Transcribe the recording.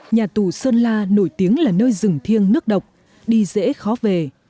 nhà tù sơn la nổi tiếng là nơi rừng thiêng nước độc đi dễ khó về